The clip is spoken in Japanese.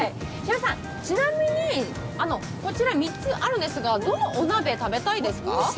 ちなみに、こちら３つあるんですが、どのお鍋を食べたいですか。